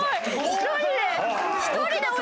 １人で。